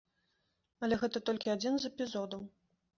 Але гэта толькі адзін з эпізодаў.